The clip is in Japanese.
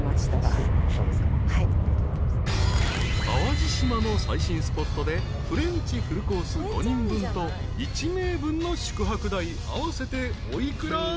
［淡路島の最新スポットでフレンチフルコース５人分と１名分の宿泊代合わせてお幾ら？］